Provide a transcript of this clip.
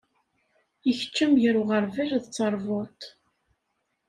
Ikeččem gar uɣeṛbal d teṛbuḍt.